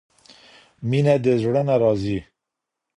مينه د زړه نه راځي.